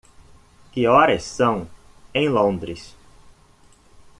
Que horas são em Londres?